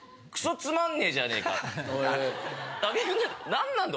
何なんだ？